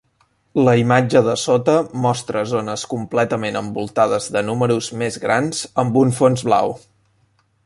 La imatge de sota mostra zones completament envoltades de números més grans amb un fons blau.